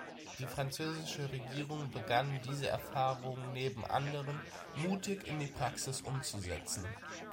Die französische Regierung begann, diese Erfahrung, neben anderen, mutig in die Praxis umzusetzen.